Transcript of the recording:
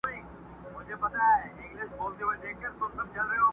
په غوټه سوه ور نیژدي د طوطي لورته!!